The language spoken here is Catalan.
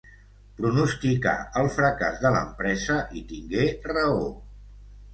Pronosticà el fracàs de l'empresa i tingué raó.